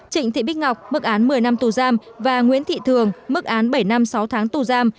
trịnh thị bích ngọc mức án một mươi năm tù giam và nguyễn thị thường mức án bảy năm sáu tháng tù giam